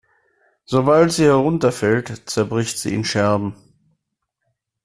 Sobald sie herunterfällt, zerbricht sie in Scherben.